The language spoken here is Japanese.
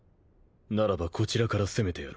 ならばこちらから攻めてやろう。